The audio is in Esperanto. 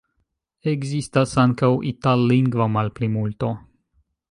Ekzistas ankaŭ itallingva malplimulto.